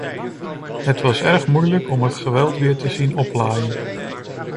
Het was erg moeilijk om het geweld weer te zien oplaaien.